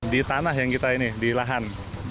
di tanah yang kita ini di lahan